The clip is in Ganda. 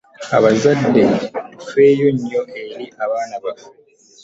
Abazadde tufeeyo nnyo eri abaana baffe .